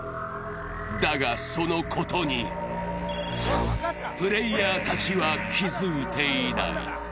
だが、そのことにプレーヤーたちは気付いていない。